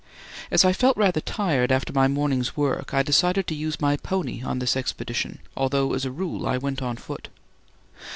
As I felt rather tired after my morning's work, I decided to use my pony on this expedition, although as a rule I went on foot.